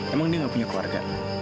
emang dia nggak punya keluarga